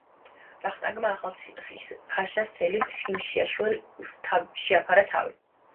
ვახტანგმა ახალციხის ფაშა სელიმ ხიმშიაშვილს, შეაფარა თავი.